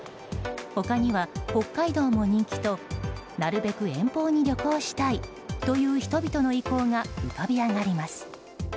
他には北海道も人気となるべく遠方に旅行したいという人々の意向が浮かび上がります。